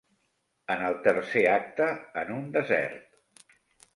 En el tercer acte, en un desert.